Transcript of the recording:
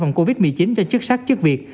phòng covid một mươi chín cho chức sách chức việc